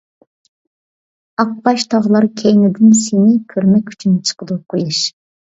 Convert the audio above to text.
ئاقباش تاغلار كەينىدىن سىنى، كۆرمەك ئۈچۈن چىقىدۇ قۇياش.